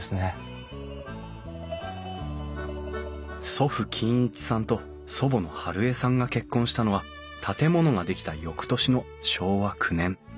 祖父金一さんと祖母の春枝さんが結婚したのは建物が出来た翌年の昭和９年。